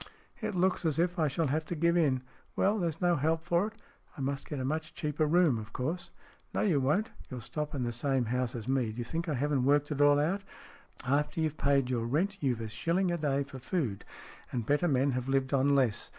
"It looks as if I shall have to give in. Well, there's no help for it. I must get a much cheaper room, of course." " No, you won't. You'll stop in the same house as me. D'you think I haven't worked it all out ? After you've paid your rent, you've a shilling a day for food, and better men have lived on less.